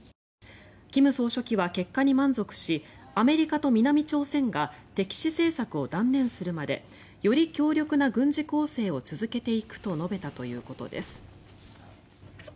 金総書記は結果に満足しアメリカと南朝鮮が敵視政策を断念するまでより強力な軍事攻勢を続けていくと述べたということです。